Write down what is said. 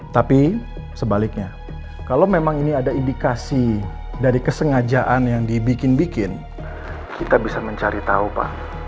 tapi sebaliknya kalau memang ini ada indikasi dari kesengajaan yang dibikin bikin kita bisa mencari tahu pak